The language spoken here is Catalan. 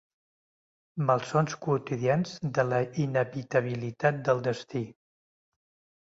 Malsons quotidians de la inevitabilitat del destí.